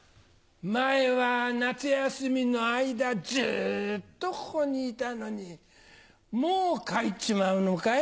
前は夏休みの間ずっとここにいたのにもう帰っちまうのかい？